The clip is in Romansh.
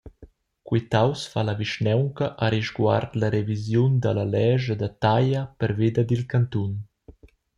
Quitaus fa la vischnaunca arisguard la revisiun dalla lescha da taglia previda dil cantun.